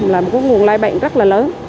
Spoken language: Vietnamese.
là một nguồn lai bệnh rất là lớn